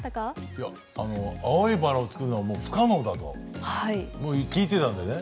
いや、青いバラを作るのはもう不可能だと聞いてたんでね。